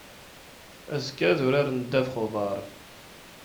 Azekka ad uraren ddabax n uḍar.